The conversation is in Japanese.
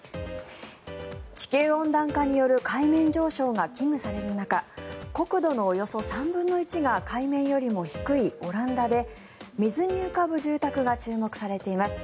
地球温暖化による海面上昇が危惧される中国土のおよそ３分の１が海面よりも低いオランダで水に浮かぶ住宅が注目されています。